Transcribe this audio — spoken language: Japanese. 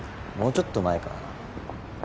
もうちょっと前かな。